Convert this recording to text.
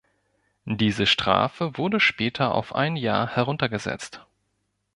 Diese Strafe wurde später auf ein Jahr heruntergesetzt.